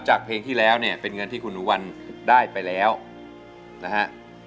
เพลงที่แล้วเนี่ยเป็นเงินที่คุณหนูวันได้ไปแล้วนะฮะ